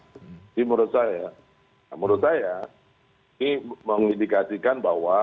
jadi menurut saya menurut saya ini mengindikasikan bahwa